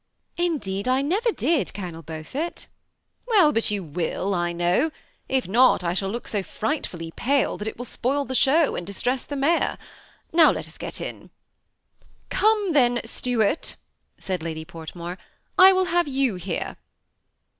" Indeed I never did. Colonel Beaufort." " Well, but you will, I know ; if not, I shall look so 190 THE SEMI ATTACHED COUPLE. frightfullj pale that it will spoil the show and distress the Mayor. Now, let us get in." " Come then, Stuart," said Ladj Portmore ;" I will have you here."